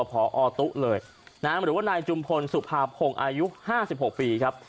ผอตู้เลยนะฮะหรือว่านายจุมพลสุภาพคงอายุห้าสิบหกปีครับ